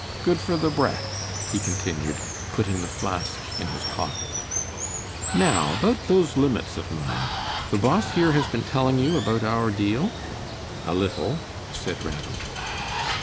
"Good for the breath," he continued, putting the flask in his pocket. "Now, about those limits of mine, the boss here has been telling you about our deal?" "A little," said Ranald.